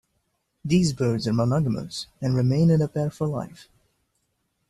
These birds are monogamous and remain in a pair for life.